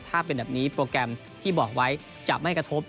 ถ้าเป็นแบบนี้โปรแกรมที่บอกไว้จะไม่กระทบ